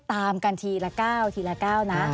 ตามกันทีละก้าวทีละก้าวนะ